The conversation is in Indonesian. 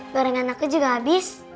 gorengan aku juga habis